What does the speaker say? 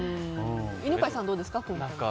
犬飼さんはどうですか？